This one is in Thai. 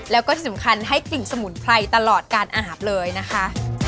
แล้วก็ที่สำคัญให้กลิ่นสมุนไพรตลอดการอาบเลยนะคะ